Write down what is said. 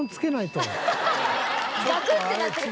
ガクッてなってるけど。